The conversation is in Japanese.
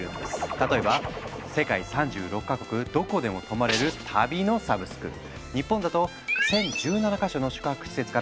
例えば世界３６か国どこでも泊まれる日本だと１，０１７か所の宿泊施設から選び放題なんだって。